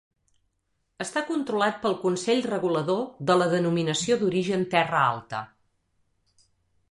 Està controlat pel Consell Regulador de la Denominació d'Origen Terra Alta.